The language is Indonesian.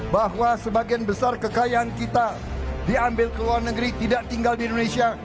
bahwa sebagian besar kekayaan kita diambil ke luar negeri tidak tinggal di indonesia